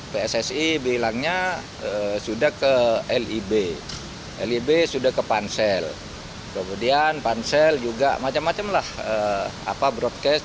pssi bilangnya sudah ke lib lib sudah ke pansel kemudian pansel juga macam macam lah broadcast